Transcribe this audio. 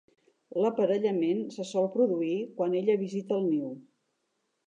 L'aparellament se sol produir quan ella visita el niu.